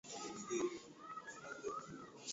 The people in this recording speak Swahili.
Wengine wapo wapi?